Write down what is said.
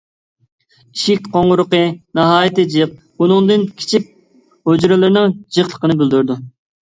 ئىشىك قوڭغۇرىقى ناھايىتى جىق، بۇنىڭدىن كىچىك ھۇجرىلىرىنىڭ جىقلىقىنى بىلدۈرىدۇ.